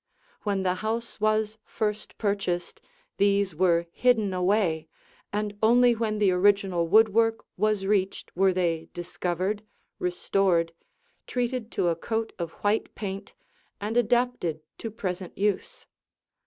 When the house was first purchased, these were hidden away, and only when the original woodwork was reached were they discovered, restored, treated to a coat of white paint, and adapted to present use.